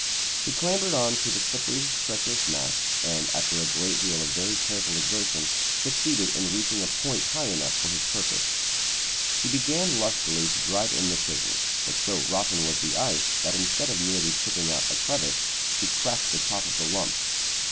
He clambered on to the slippery, treacherous mass, and, after a great deal of very careful exertion, succeeded in reaching a point high enough for his purpose. He began lustily to drive in the chisel, but so rotten was the ice, that instead of merely chipping out a crevice, he cracked the top of the lump.